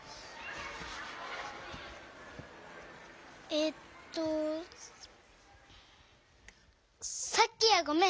えっとさっきはごめん！